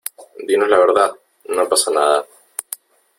dinos la verdad . no pasa nada .